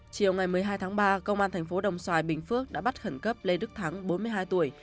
chiều ngày một mươi hai tháng ba công an thành phố đồng xoài bình phước đã bắt khẩn cấp lê đức thắng bốn mươi hai tuổi